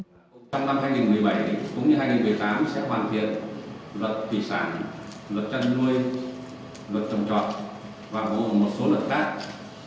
trong năm hai nghìn một mươi bảy cũng như hai nghìn một mươi tám sẽ hoàn thiện luật thủy sản luật chăn nuôi luật trồng trọt và gồm một số luật khác